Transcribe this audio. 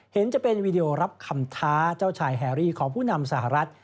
เห็นจะเป็นวีดีโอรับคำท้าเจ้าชายแฮรี่ของผู้นำสหรัฐ